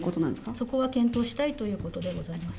そこは検討したいということでございます。